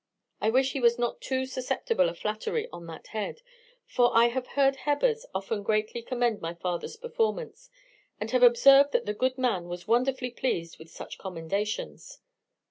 I wish he was not too susceptible of flattery on that head; for I have heard Hebbers often greatly commend my father's performance, and have observed that the good man was wonderfully pleased with such commendations.